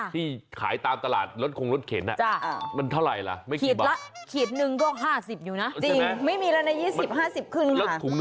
ที่ขายตามตลาดรถคงรถเข็นมันเท่าไหร่ละไม่กี่บาท